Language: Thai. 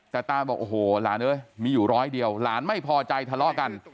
แต่ตาบอกโอ้โหหลานเอ้ยมีอยู่ร้อยเดียวหลานไม่พอใจทะเลาะกัน